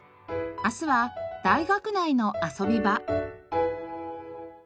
明日は大学内の遊び場。